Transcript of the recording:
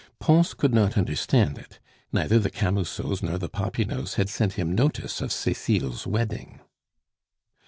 Pons could not understand it. Neither the Camusots nor the Popinots had sent him notice of Cecile's wedding.